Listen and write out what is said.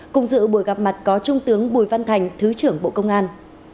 cùng dự buổi gặp mặt có trung tướng bùi văn thành thứ trưởng bộ công an